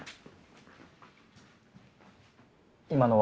今のは？